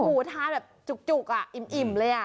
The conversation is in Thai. โอ้โหทานแบบจุกอ่ะอิ่มเลยอ่ะ